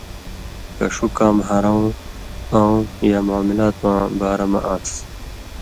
کہ ݜُو کام ہَرؤں اؤں یا معاملات واں بارہ مہ آن٘س۔